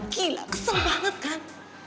gila kesel banget kan